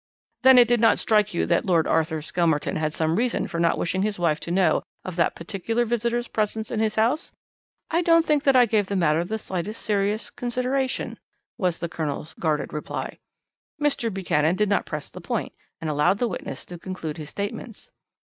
"'Then it did not strike you that Lord Arthur Skelmerton had some reason for not wishing his wife to know of that particular visitor's presence in his house?' "'I don't think that I gave the matter the slightest serious consideration,' was the Colonel's guarded reply. "Mr. Buchanan did not press the point, and allowed the witness to conclude his statements.